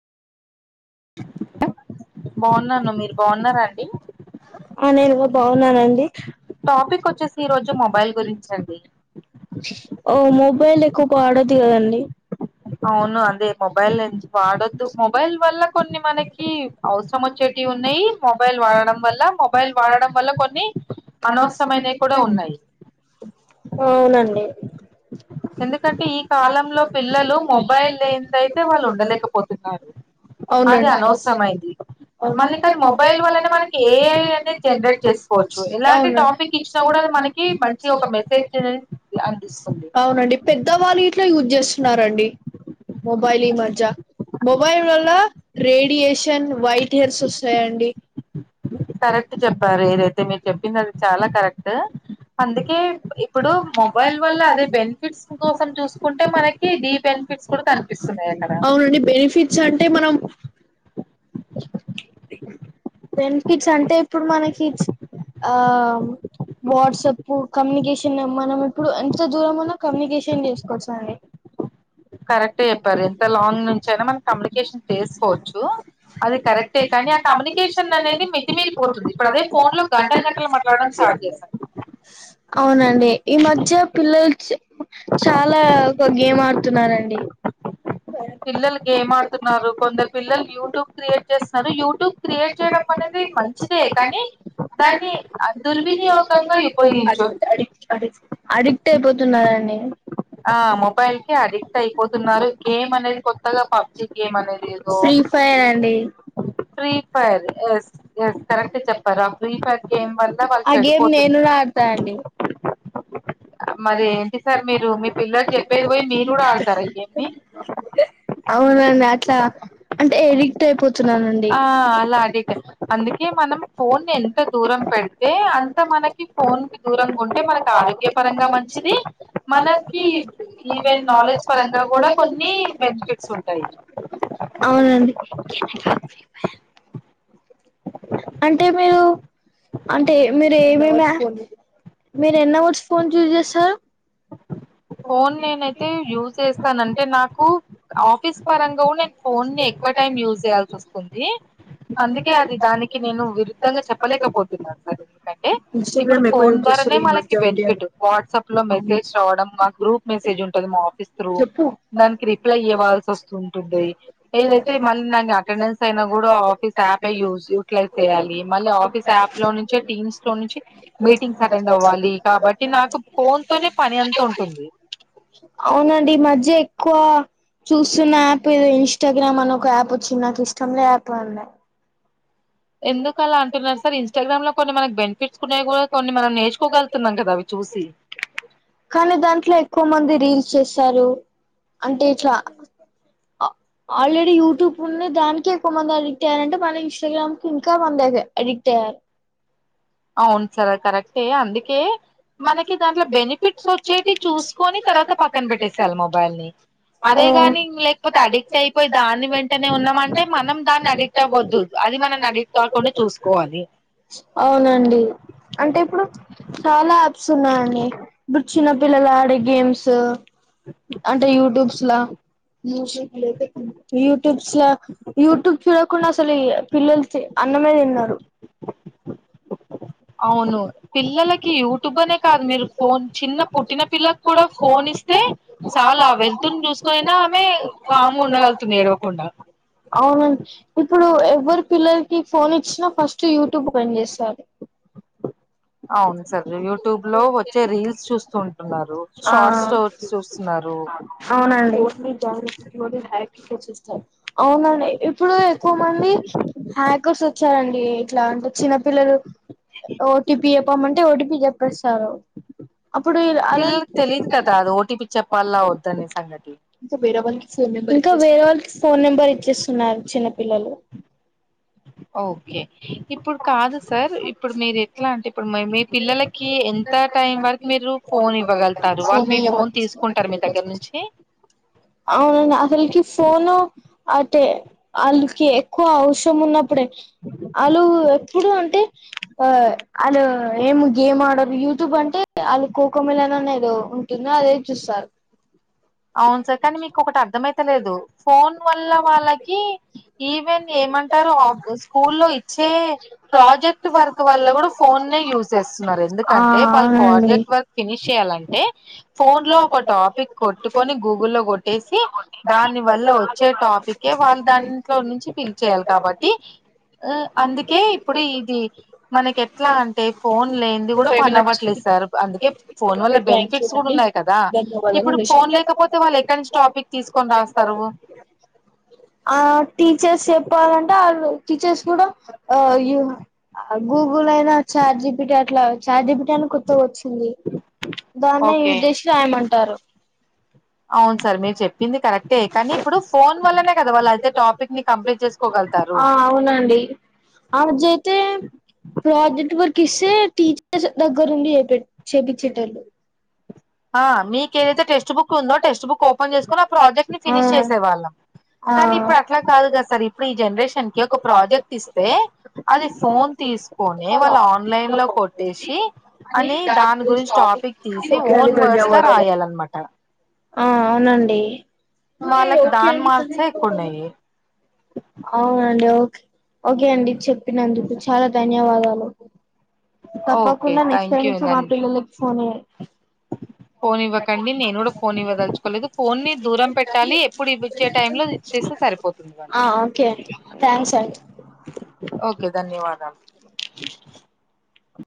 బావున్నాను మీరు బావున్నారా అండి వున్నానండి టాపిక్ వచ్చేసి ఈ రోజు మొబైల్ గురించి అండి ఓ మోబ్ మొబైల్ ఎక్కువ పాడద్దు గదండి అవును అదే మొబైల్ లేన్ వాడొద్దు మొబైల్ వల్ల కొన్ని మనకి అవసరం వచ్చే టి ఉన్నాయి మొబైల్ వాడడం వల్ల మొబైల్ వాడడం వల్ల కొన్ని అనవసమైనవి కూడా ఉన్నాయ్ అవునండి ఎందుకంటే ఈ కాలంలో పిల్లలు మొబైల్ లేందయితే వాళ్ళు ఉండలేకపోతున్నారు అది అవునండి అనవసరమై అనవసరమైంది మళ్ళీ కానీ మొబైల్ వల్లనే మనకి ఏఐ అనేది జన్రేట్ జేస్ కోచ్చు ఎలాంటి అవునండి టాపికిచ్చినా గుడా అది మనకి మంచి ఒక మెసేజ్ అనేది అందిస్తుంది అవునండి పెద్దవాళ్ళు గిట్లా యూజ్ జేస్తున్నారండి మొబైలీ మజ్య మొబైల్ వల్ల రేడియేషన్ వైట్ హేర్స్ వస్తాయండి కరెక్ట్ జొప్పారు ఇదైతే మీరు జొప్పింది అది చాలా కరెక్టు అందుకే ఇప్ ఇప్పుడు మొబైల్ వల్ల అదే బెనిఫిట్స్ కోసం చూసుకుంటే మన అవునండి బెనిఫిట్స్ అంటే మనం బెనిఫిట్స్ అంటే ఇప్పుడు మనకి ఆ వాట్సపు కమ్యూనికేషన్ మనమిప్పుడు ఎంత దూరం ఉన్నా కమ్యూనికేషన్ జేసుకోవచ్చు అండి కరెక్టే జెప్పారు ఎంత లాంగ్ నుంచి అయినా మనం కమ్యూనికేషన్ చేసుకోవచ్చు అది కరెక్టే కానీ కమ్యూనికేషన్ అనేది మితిమీరి పోతుంది ఇప్పుడు అదే ఫోన్ లో గంటల గంటలు మాట్లాడడం స్టార్ట్ చేస్తారు అవునండి ఈ మధ్య పిల్లల చ చాలా ఒక గేమ్ ఆడుతున్నారండి పిల్లలు గేమ్ ఆడుతున్నారు కొందరు పిల్లలు యూట్యూబ్ క్రియేట్ చేస్తున్నారు యూట్యూబ్ క్రియేట్ చేయడం అనే ది మంచిదే కానీ దాన్ని కానీ దుర్వినియోగం దుర్వినియోగంగా ఆడి ఉపయోగించ అడి అడిక్ట్ అయిపోతున్నరండి ఆ మొబైల్ కి అడిక్ట్ అయిపోతున్నారు గేమ్ అనేది కొత్తగా పబ్జి గేమ్ అనేది ఏదో ఫ్రీ ఫైర్ అండి free fire yes yes correct చెప్పారు ఆ ఫ్రీ ఫైర్ గేమ్ వల్ల వాళ్ళు చెడిపోతు నేన్న కూడా ఆడుతా అండి మరి ఏంటి సార్ మీరు మీ పిల్లలుకి చెప్పేది పోయి మీరు కూడా ఆడతారు ఈ గేమ్ నీ అవునండి అట్లా అంటే ఎడిక్ట్ అయిపోతున్నానండి ఆ అలా అడిక్ట్ అందుకే మనం ఫోన్ ని ఎంత దూరం పెడితే అంత మనకి ఫోన్ కి దూరంగా ఉంటే ఉపయోగపడితే మనకి మనకు ఆరోగ్యపరంగా ఆరోగ్యకరంగా మంచిది మనకి ఈవెన్ నాలెడ్జ్ మాత్ర కూడా కొది బెనిఫిట్స్ ఉంటుంది అవునండి గీతక్క ఫ్రీ ఫైర్ అంటే మీరు అంటే మీరు ఏమేమి య మీరు ఎన్న వర్డ్స్ ఫోన్ యూజ్ చేస్తారు ఫోన్ నేనైతే యూజ్ చేస్తాన్ అంటే నాకు ఆఫీస్ పరంగా కూడా నేను ఫోన్ ఎక్కువ టైం యూజ్ చేయాల్సి వస్తుంది అందుకే అది దాని కి నేను విరుద్ధంగా చెప్పలేకపోతున్నాను సార్ ఎందుకంటే ఇప్పుడు ఇన్స్టాగ్రామ్ ఫోన్ ద్వారానే మనకి జాయిన్ చేయాలి బెనిఫిట్ వాట్సాప్ లో మె సేజ్ రావడం మా గ్రూప్ మెసేజ్ ఉంటది మా ఆఫీస్ త్రూ చెప్పు దానికి రిప్లై ఇయ్యవాల్సి వస్తుంటుంది డి ఏదైతే మళ్ళీ నాకు అటెండెన్స్ అయినా కూడా ఆఫీస్ యాప్ ఏ యూజ్ క్లే చేయాలి మళ్ళీ ఆఫీస్ యాప్ లో నుంచి టీమ్స్ లో నుంచి మీటింగ్స్ అటెండ్ అవ్వాలి కాబట్టి నాకు ఫోన్ తోనే పని అంత ఉంటుంది అవునండి మధ్య ఎక్కువ చూస్తున్న యాప్ ఇది ఇన్స్టాగ్రామ్ అని ఒక యాప్ వచ్చి నాకు ఇష్టం లే యాప్ అండి ఎందుకు అలా అంటున్నారు సార్ ఇన్స్టా్రామ్ లో కొన్ని మనకి బెనిఫిట్స్ ఉన్నాయి కూడా కొన్ని మనం నేర్చుకోగగుతున్నాం కదా అవి చూసి కానీ దాంట్లో ఎక్కువ మంది రీల్స్ చేస్తారు అంటే ఇట్లా ఆ ఆల్రెడీ యూట్యూబ్ ఉంది దానికే ఎక్కువ మంది అడిక్ట్ అయ్యారంటే మల్ల ఇన్స్టాగ్రామ్ ఇంకా మంది అయితే ఎడిట్ అయ్యారు [inaudible] అవును సార్ కరెక్టే అందుకే మనకి దాంట్లో బెనిఫిట్స్ వచ్చేటివి చూసుకొని తర్వాత పక్కన పెట్టేసేయాలి మొబైల్ని అదే కాని ఇంగా లేకపోతే అడిక్ట్ అయిపోయి అయ్యారు దాని వెంటనే ఉన్నామ అంటే మనం దాన్ని అడిక్ట్ అవ్వద్దు అది మనం అవునండి అంటే ఇప్పుడు చాలా సున్నా అండి ఇప్పుడు చిన్న పిల్లలు ఆడే గేమ్స్ అంటే యూట్యూబ్స్ లో యూట్యూబ్స్ లో యూట్యూబ్ చూడకుండా అసలు ఈ పిల్లలు చే అన్నమే తిన్నారు అవును పిల్లలకి పెద్దలకి నువ్వు యూట్యూబ్ అనే కాదు మీరు ఫోను ఫోన్ చిన్న పు చిన్న పుట్టిన పిల్లకి పిల్లలకు కూడా ఫోన్ ఇస్తే చాలా పెద్దలు వెళ్తుని జూస్తు అయిన చూసుకొనినా అవే ఆమె కామ్గా మాములుగ ఉండగలుగుతుంది ఎదో ఒక ఏడవకుండా అవునండి ఇప్పుడు ఎవ్వరి పిల్లలు ఫోన్ ఇచ్చినా ఫస్ట్ యూట్యూబ్ పన్ చేస్తది [inaudible] అవును సార్ యూట్యూబ్ లో వచ్చే రీల్స్ చూస్తు ఉంటున్నారు ఆ షార్ట్ స్టోరీస్ చూస్తున్నారు రూపు అవునండి తెచ్చిస్తా అవునండి ఇప్పుడు ఎక్కువ మంది హ్యాంకర్స్ వచ్చారండి ఇట్లా అంటే చిన్న పిల్లలు ఓటీపీ చెప్పమంటే ఓటీపీ చెప్పేస్తారు అప్పుడు అళ్ పిల్లలకి వీళ్ళకి తెలియదు కదా కద అది ఓటీపీ చెప్పాలా ఓటిపి వద్దనే సంగతి ఇంకా వేరే వాళ్ళకి ఫోన్ నెం ఇంకా వేరే వాళ్ళకి ఫోన్ నెంబర్ ఇచ్చేస్తున్నారు చిన్న పిల్లలు ఓకే ఇప్పుడు కాదు సార్ ఇప్పుడు మీరు ఎట్లా అంటే ఇప్పుడు మీ పిల్లలకి ఎంత టైం వరకి మీరు ఫోన్ ఇవ్వగల్తారు వాళ్ళు మీ ఫోన్ తీసుకుంటారు మీ దగ్గర నుంచి అవునండి అసలకి ఫోను అంటే వాళ్ళకి ఎక్కువ అవసరం ఉన్న ప్పుడే అలు ఎప్పుడు అంటే ఆ ఆళ్ళు ఏం గేమ్ ఆడరు యూట్యూబ్ అంటే వాళ్ళు కోఖో మీ లను ఏదో ఉంటుంది అదే చూస్తారు [inaudible] అవును సార్ కానీ మీకు ఒకటి అర్థమయితలేదు ఫోన్ వల్ల వాళ్ళకి ఈవెన్ ఏమన్ ఏమంటారు టారు ఆఫ్గో స్కూల్లో ఇచ్చే ప్రాజెక్ట్ వర్క్ వల్ల కూడా ఫోన్ పే ఫోన్నే యూస్ యూజ్ చేస్తున్నారు ఆ ఎందుకంటే వాళ్ళు అవునండి ప్రాజెక్ట్ వర్క్ ఫినిష్ చేయ లంటే ఫోన్ లో ఒక టాపిక్ కొ పెట్టుకొని గూగుల్లో కొట్టేసి దాని వల్ల వచ్చే టాపికే వాళ్ళు దాంట్లో నుంచి ఫినిష్ చేయాలి కాబట్టి ఆ అందుకే ఇప్పుడు ఇది మనకి ఎట్లా అంటే ఫోన్ లేన్ది కూడా పని అవ్వట్లేదు సార్ అందుకే ఫోన్ వల్ల బెనిఫిట్స్ కూడా ఉన్నాయి కదా ఇప్పుడు ఫోన్ లేకపోతే వాళ్ళు ఎక్కడి నుంచి టాపిక్ తీసుకొని రాస్తారు ఆ టీచర్స్ చెప్పాలంటే వాళ్ళు టీచర్స్ కూడా ఆ గూగుల్ అయినా చార్జిపీటీ అట్లా చార్జిపీటీ అని కొత్తగ వచ్చింది దాన్నే ఓకే యూస్ జేసి రాయమంటారు అవును సార్ మీరు చెప్పింది కరెక్టే కానీ ఇప్పుడు ఫోన్ వల్లనే కదా వాళ్ళు అయితే టాపిక్ని కంప్లీట్ చేసుకోగ ఆ అవునండి అజయితే ప్రోజెక్ట్ వర్క్ ఇస్తే టీచ దగ్గరుండి చెపె చేపిచ్చేటోళ్ళు ఆ మీకు ఏదైతే టెక్స్ట్ బుక్ ఉందో టెక్స్ట్ బుక్ ఓపెన్ చేసుకొని ఆ ప్రాజెక్ట్ని ఆ, ఫినిష్ చేసేవాళ్ళం ఆ. కానీ ఇప్పుడు అట్లా కాదు కదా సార్ ఇప్పుడు ఈ జనరేషన్కి ఒక ప్రాజెక్ట్ ఇస్తే అది ఫోన్ తీ తీసుకొని వాళ్ళు ఆన్లైన్ లో కొట్టేసి అని దాని గురించి టాపిక్ తీసి ఓన్ వార్డ్స్ లో రాయాల అన్నమాట ఆ అవునండి ఓకే వాళ్ళకి ఒకే దాని అండి టైమ్ మార్క్సే ఎక్కువ అయిపోతుంది ఉన్నాయి అవునండి ఓకే ఓకే అండి చెప్పినందుకు చాలా ధన్యవాదాలు ఓకే తప్పకుండా నెక్స్ట్ థ్యాంక్ టైమ్ యూ నుంచి మా దాని పిల్లలకి ఫోన్ ఇవ్వన్ ఫోన్ ఇవ్వకండి నేను కూడా ఫోన్ ఇవ్వదలుచుకోలేదు ఫోన్ ని దూరం పెట్టాలి ఎప్పుడు ఇవచ్చే టైం లో ఇస్తే సరిపోతుంది వాళ్ళ ఆ ఓకే అండి థాంక్స్ అండి ఓకే ధన్యవాదాలు